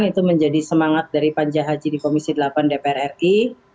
itu menjadi semangat dari panja haji di komisi delapan dpr ri